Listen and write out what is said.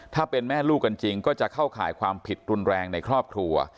ถ้าเป็นแม่ลูกกันจริงก็จะเข้าข่ายความผิดรุนแรงในครอบครัว